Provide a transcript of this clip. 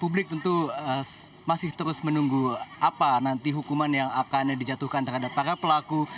publik tentu masih terus menunggu apa nanti hukuman yang akan dijatuhkan terhadap para pelaku